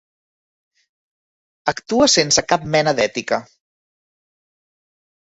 Actua sense cap mena d'ètica.